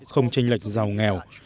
không tranh lệch giàu nghèo